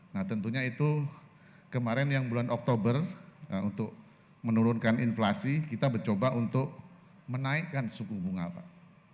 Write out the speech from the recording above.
nah tentunya itu kemarin yang bulan oktober untuk menurunkan inflasi kita mencoba untuk menaikkan suku bunga pak